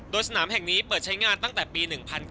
โดยสนามแห่งนี้เปิดใช้งานตั้งแต่ปี๑๙